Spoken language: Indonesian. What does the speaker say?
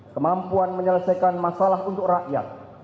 kemampuan menyelesaikan masalah untuk rakyat